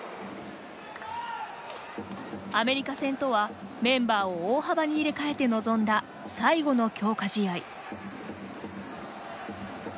アメリカ戦とはメンバーを大幅に入れ替えて臨んだ最後の強化試合。